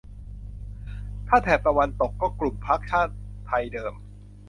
ถ้าแถบตะวันตกก็กลุ่มพรรคชาติไทยเดิม